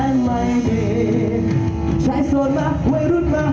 หยุดมีท่าหยุดมีท่า